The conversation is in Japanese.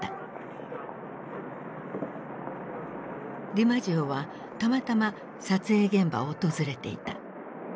ディマジオはたまたま撮影現場を訪れていた。